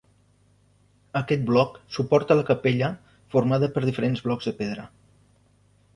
Aquest bloc suporta la capella, formada per diferents blocs de pedra.